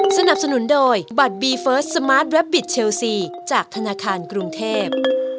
สนับสนุนโดยบัตรบีเฟิร์สสมาร์ทแวบบิตเชลซีจากธนาคารกรุงเทพ